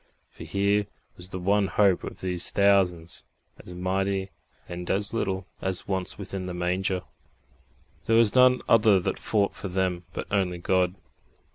For here was the one hope of these thousands, as mighty and as little as once within the Manger. There was none other that fought for them but only God.